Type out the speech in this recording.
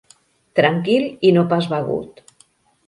Tranquil i no pas begut.